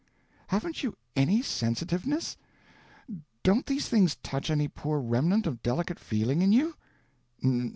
"Haven't you any sensitiveness? Don't these things touch any poor remnant of delicate feeling in you?"